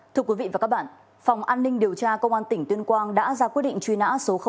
thưa quý vị và các bạn phòng an ninh điều tra công an tỉnh tuyên quang đã ra quyết định truy nã số một